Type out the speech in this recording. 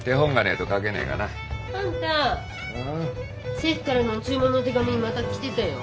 政府からの注文の手紙また来てたよ。